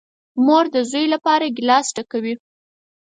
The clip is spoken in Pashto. مور ده زوی لپاره گیلاس ډکوي .